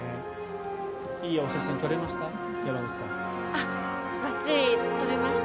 いいお写真撮れました？